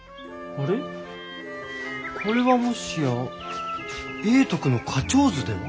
あれはもしや永徳の「花鳥図」では？